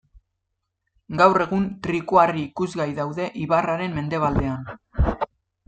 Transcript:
Gaur egun trikuharri ikusgai daude ibarraren mendebaldean.